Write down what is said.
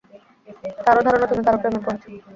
তারও ধারণা, তুমি কারো প্রেমে পড়েছ।